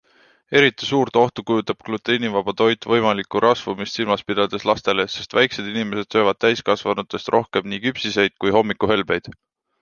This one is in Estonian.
Eriti suurt ohtu kujutab gluteenivaba toit võimalikku rasvumist silmas pidades lastele, sest väikesed inimesed söövad täiskasvanutest rohkem nii küpsiseid kui hommikuhelbeid.